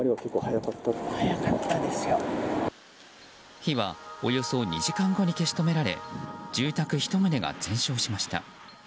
火はおよそ２時間後に消し止められ住宅１棟が全焼しました。